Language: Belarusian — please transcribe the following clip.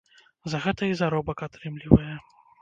За гэта і заробак атрымлівае.